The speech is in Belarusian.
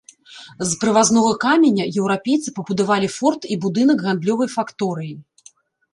З прывазнога каменя еўрапейцы пабудавалі форт і будынак гандлёвай факторыі.